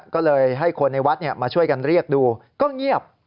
ก็เลยให้คนในวัดมาช่วยกันเรียกดูก็เงียบ